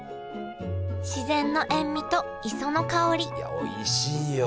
自然の塩味と磯の香りいやおいしいよ。